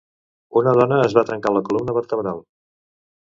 Una dona es va trencar la columna vertebral.